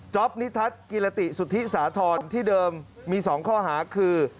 นิทัศน์กิรติสุธิสาธรณ์ที่เดิมมี๒ข้อหาคือ